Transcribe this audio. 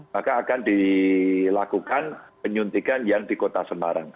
maka akan dilakukan penyuntikan yang di kota semarang